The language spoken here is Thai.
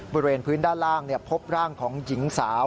บริเวณพื้นด้านล่างพบร่างของหญิงสาว